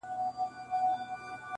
o اميد کمزوری پاتې کيږي دلته تل,